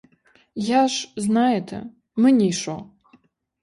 Я ж, знаєте, мені що?